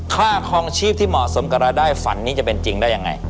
ค่าคลองชีพที่เหมาะสมกับรายได้ฝันนี้จะเป็นจริงได้ยังไง